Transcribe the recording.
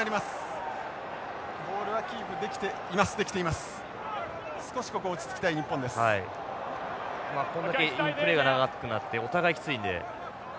まあこれだけインプレーが長くなってお互いきついんで。